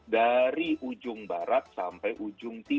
dari ujung barat sampai ujung timur